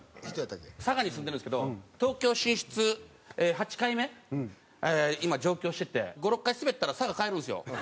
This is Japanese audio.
佐賀に住んでるんですけど今上京してて５６回スベったら佐賀帰るんですよ。